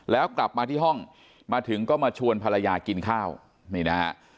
แล้วกลับมาที่ห้องมาถึงก็มาชวนภรรยากินข้าวนี่นะฮะ